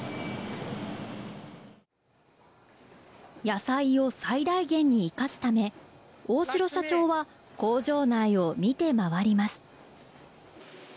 野菜を最大限に生かすため大城社長は工場内を見て回ります。